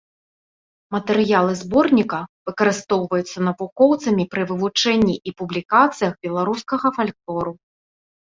Матэрыялы зборніка выкарыстоўваюцца навукоўцамі пры вывучэнні і публікацыях беларускага фальклору.